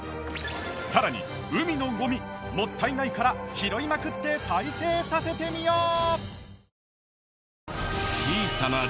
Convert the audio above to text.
さらに海のゴミもったいないから拾いまくって再生させてみよう！